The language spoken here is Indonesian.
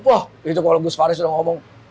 wah gitu kalo gus faris udah ngomong